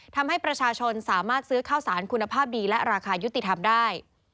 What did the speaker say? ทำให้ประชาชนสามารถซื้อข้าวสารคุณภาพดีและราคายุติธรรมได้